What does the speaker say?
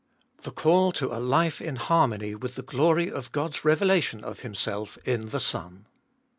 The Call to a Life in Harmony with the Glory of God's Revelation of Himself in the Son.